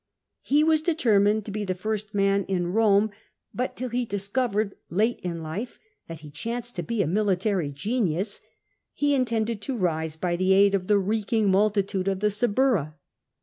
He was determined to be the first man in Eome, but till he discovered, late in life, that he chanced to be a military genius, he intended to rise by the aid of the reeking multitude of the Suburra.